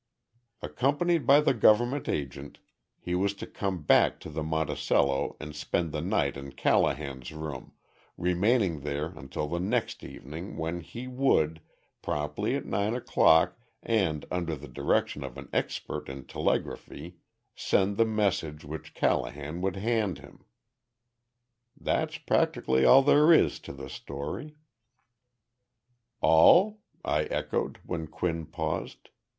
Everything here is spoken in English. Accompanied by the government agent, he was to come back to the Monticello and spend the night in Callahan's room, remaining there until the next evening when he would promptly at nine o'clock and under the direction of an expert in telegraphy send the message which Callahan would hand him. That's practically all there is to the story. "All?" I echoed, when Quinn paused.